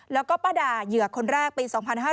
แล้วก็ป้าด่าเหยื่อคนแรกปี๒๕๕๙